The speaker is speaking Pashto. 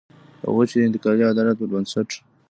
هغوی چې د انتقالي عدالت پر بنسټ.